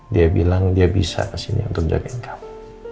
dia bilang dia bisa kesini untuk jagain kamu